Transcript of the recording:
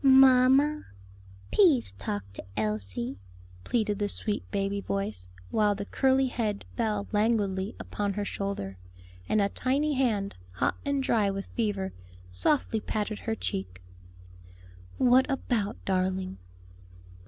"Mamma, pease talk to Elsie," pleaded the sweet baby voice, while the curly head fell languidly upon her shoulder, and a tiny hand, hot and dry with fever, softly patted her cheek. "What about, darling?"